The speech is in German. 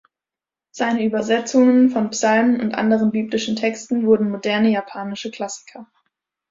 Seine Übersetzungen von Psalmen und anderen biblischen Texten wurden moderne japanische Klassiker.